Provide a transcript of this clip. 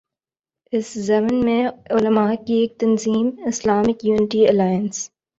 اس ضمن میں علما کی ایک تنظیم ”اسلامک یونٹی الائنس“